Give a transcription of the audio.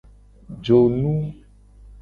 Jonu.